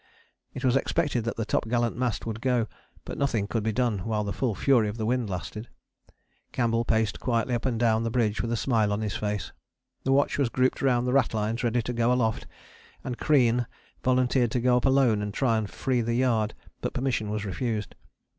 It was expected that the topgallant mast would go, but nothing could be done while the full fury of the wind lasted. Campbell paced quietly up and down the bridge with a smile on his face. The watch was grouped round the ratlines ready to go aloft, and Crean volunteered to go up alone and try and free the yard, but permission was refused.